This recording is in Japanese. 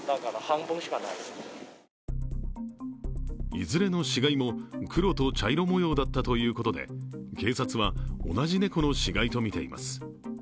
いずれの死骸も黒と茶色模様だったということで、警察は同じ猫の死骸とみています。